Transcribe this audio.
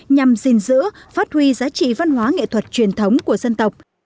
nhằm gìn giữ phát huy giá trị văn hóa nghệ thuật truyền thống của dân tộc